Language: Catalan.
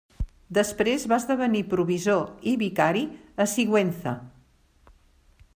Després va esdevenir provisor i vicari a Sigüenza.